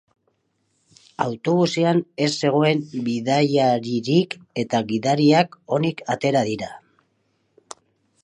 Autobusean ez zegoen bidaiaririk, eta gidariak onik atera dira.